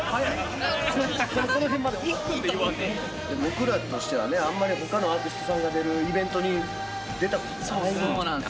僕らとしてはあんまり他のアーティストさんが出るイベントに出たことない。